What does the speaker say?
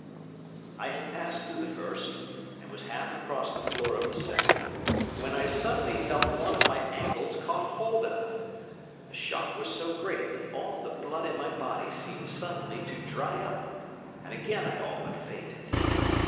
I had passed through the first, and was half across the floor of the second, when I suddenly felt one of my ankles caught hold of. The shock was so great that all the blood in my body seemed suddenly to dry up, and again I all but fainted.